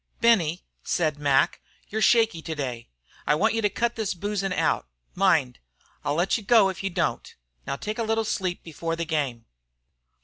"Benny," said Mac, "you're shaky today. I want you to cut this boozin' out. Mind, I'll let you go if you don't. Now, take a little sleep before the game."